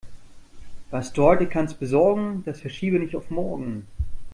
Was du heute kannst besorgen, das verschiebe nicht auf morgen.